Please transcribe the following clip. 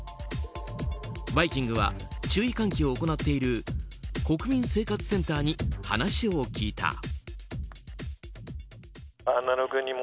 「バイキング」は注意喚起を行っている国民生活センターに話を聞いた。